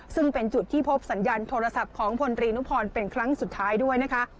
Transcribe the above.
ซึ่งเป็นจุดที่พบสัญญาณโทรศัพท์ของพลตรีนุพรเป็นครั้งสุดท้ายด้วยนะคะ